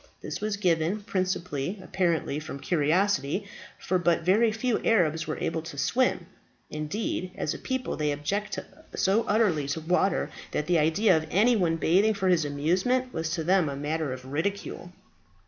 This was given, principally apparently from curiosity, for but very few Arabs were able to swim; indeed, as a people they object so utterly to water, that the idea of any one bathing for his amusement was to them a matter of ridicule.